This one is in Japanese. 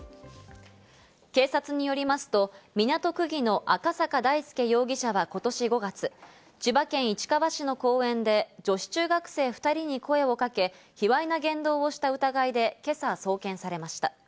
警察によりますと港区議の赤坂大輔容疑者は今年５月、千葉県市川市の公園で女子中学生２人に声をかけ、卑わいな言動をした疑いで今朝、送検されました。